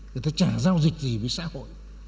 người ta chả giao dịch gì với xã hội